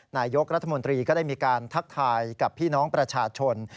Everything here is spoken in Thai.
นายกรัฐมนตรีก็ได้มีการทักทายกับพี่น้องประชาชน